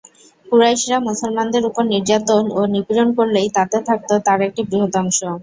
কুরাইশরা মুসলমানদের উপর নির্যাতন ও নিপীড়ন করলেই তাতে থাকত তার একটি বৃহৎ অংশ।